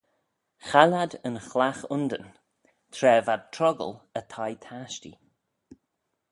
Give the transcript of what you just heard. Chaill ad yn chlagh undin tra v'ad troggal y thie-tashtee.